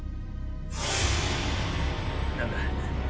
何だ！？